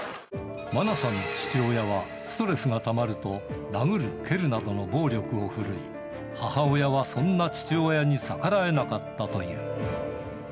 マナさんの父親は、ストレスがたまると殴る、蹴るなどの暴力を振るい、母親はそんな父親に逆らえなかったという。